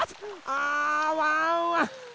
あワンワン